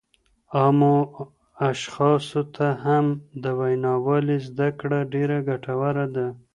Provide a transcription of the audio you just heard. عامو اشخاصو ته هم د وینا والۍ زده کړه ډېره ګټوره ده